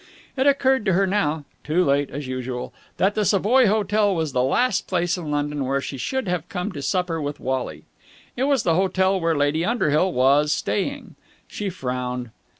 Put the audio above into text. It occurred to her now too late, as usual that the Savoy Hotel was the last place in London where she should have come to supper with Wally. It was the hotel where Lady Underhill was staying. She frowned.